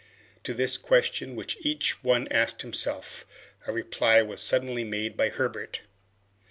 To this question, which each one asked himself, a reply was suddenly made by Herbert.